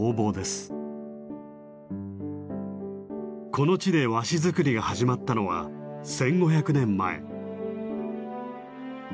この地で和紙づくりが始まったのは１，５００年前。